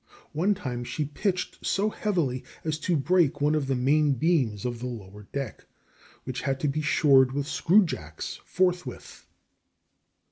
One time she pitched so heavily as to break one of the main beams of the lower deck, which had to be shored with screw jacks forthwith.